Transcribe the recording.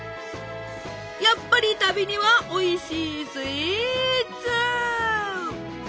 やっぱり旅にはおいしいスイーツ！